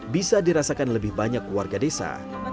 bisa dirasakan lebih banyak warga desa